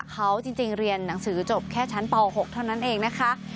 เขาจริงเรียนหนังสือจบแค่ชั้นป๖เท่านั้นเองนะคะ